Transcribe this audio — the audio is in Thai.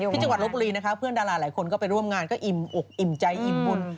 ที่จังหวัดลบบุรีนะคะเพื่อนดาราหลายคนก็ไปร่วมงานก็อิ่มอกอิ่มใจอิ่มบุญ